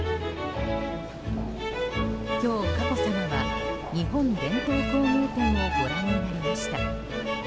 今日、佳子さまは日本伝統工芸展をご覧になりました。